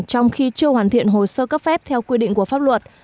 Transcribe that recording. trong khi chưa hoàn thiện hồ sơ cấp phép theo quy định của pháp luật